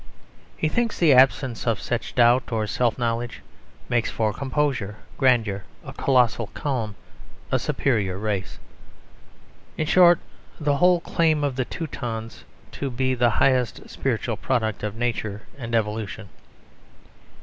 He thinks the absence of such doubt, or self knowledge, makes for composure, grandeur, a colossal calm, a superior race in short, the whole claim of the Teutons to be the highest spiritual product of Nature and Evolution.